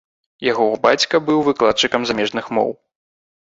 Яго бацька быў выкладчыкам замежных моў.